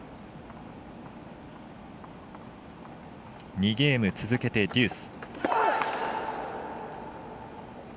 ２ゲーム続けてデュース。